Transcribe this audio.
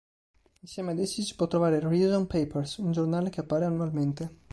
Insieme ad essi si può trovare "Reason Papers", un giornale che appare annualmente.